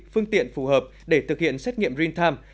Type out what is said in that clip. phương tiện phù hợp để thực hiện xét nghiệm real time